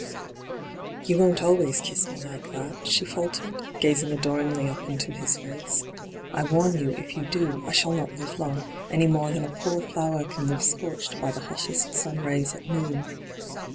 ' You won't always kiss me like that ?' she fidtered, gazing adoringly up into his face. ' I warn you, if you do, I shall not live long, any more than a poor flower can live scorched by the hottest sun rays at noon.'